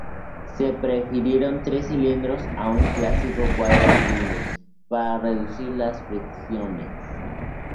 Se prefirieron tres cilindros a un clásico cuatro cilindros para reducir las fricciones.